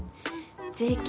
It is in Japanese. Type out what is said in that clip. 税金